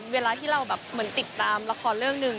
เวลาที่เราติดตามละครเรื่องหนึ่ง